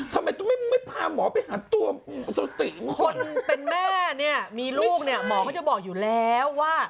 ทำไมต้องไม่พาหมอไปหาตัวสติคนเป็นแม่เนี่ยมีลูกเนี่ยหมอก็จะบอกอยู่แล้วว่า